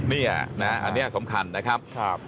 นี่นะอันนี้สำคัญนะครับ